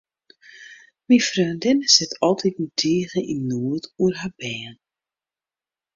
Myn freondinne sit altiten tige yn noed oer har bern.